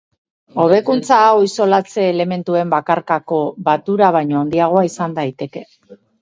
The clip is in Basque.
Hobekuntza hau isolatze-elementuen bakarkako batura baino handiagoa izan daiteke.